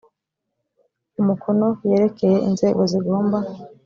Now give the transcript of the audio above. umukono yerekeye inzego zigomba